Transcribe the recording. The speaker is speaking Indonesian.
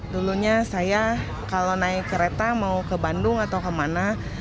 dulunya saya kalau naik kereta mau ke bandung atau kemana